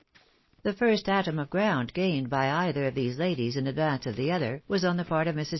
The first atom of ground gained by either of these ladies in advance of the other, was on the part of Sirs.